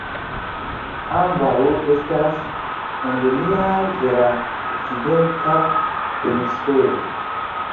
Ambaŭ estas endemiaj de la Okcidenta Hemisfero.